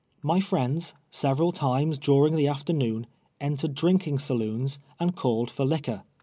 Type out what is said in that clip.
2lj friends, several times during the afternoon, en tered drinking saloons, and called for licpior.